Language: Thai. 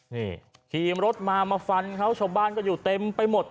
นี่ขี่รถมามาฟันเขาชาวบ้านก็อยู่เต็มไปหมด